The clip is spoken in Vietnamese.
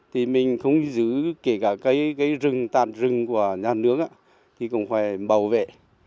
thì mình không giữ kể cả cái rừng tàn rừng của nhà nước thì cũng phải bảo vệ